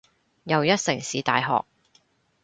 又一城市大學